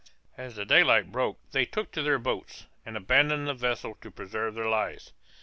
As the daylight broke they took to their boats, and abandoned the vessel to preserve their lives.